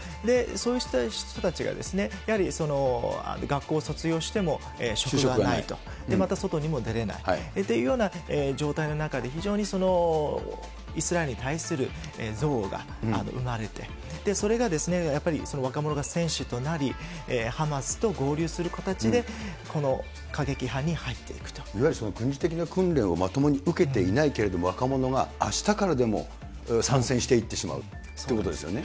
そういう人たちがやはり学校を卒業しても職がないと、また外にも出れないっていうような状態の中で、非常にイスラエルに対する憎悪が生まれて、それがやっぱり若者が戦士となり、ハマスと合流する形でこの過激派いわゆる軍事的な訓練をまともに受けていないけれども、若者があしたからでも参戦していってしまうということですよね。